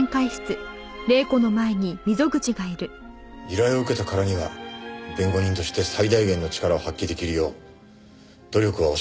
依頼を受けたからには弁護人として最大限の力を発揮出来るよう努力は惜しまないつもりです。